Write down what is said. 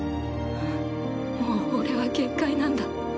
もう俺は限界なんだ。